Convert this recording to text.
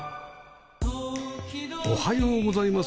おはようございます。